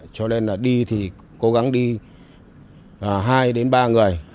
cho nên là đi thì cố gắng đi hai đến ba người